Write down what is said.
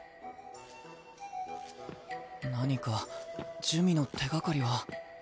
何か珠魅の手がかりは。